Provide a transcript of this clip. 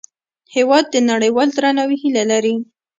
هېواد د نړیوال درناوي هیله لري.